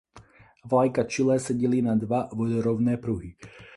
Vlajka Chile se dělí na dva vodorovné pruhy.